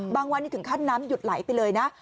บางวันนี้ถึงขั้นน้ำหยุดไหลไปเลยนะ